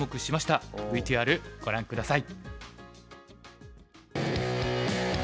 ＶＴＲご覧下さい。